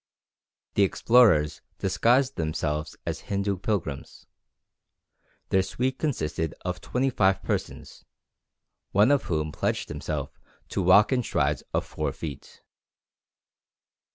The explorers disguised themselves as Hindu pilgrims. Their suite consisted of twenty five persons, one of whom pledged himself to walk in strides of four feet!